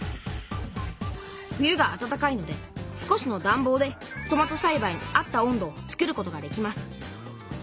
冬があたたかいので少しのだんぼうでトマトさいばいに合った温度を作ることができます。